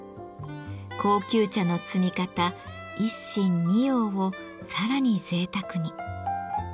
高級茶の摘み方一芯二葉をさらにぜいたくに。